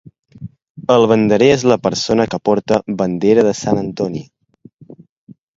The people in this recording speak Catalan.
El Banderer és la persona que porta bandera de Sant Antoni.